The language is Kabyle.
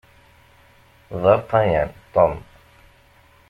D arṭayan Tom.